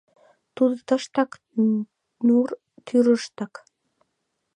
— Тудо тыштак, нур тӱрыштак!